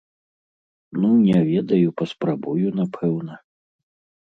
Ну, не ведаю, паспрабую, напэўна.